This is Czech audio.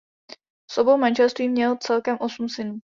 Z obou manželství měl celkem osm synů.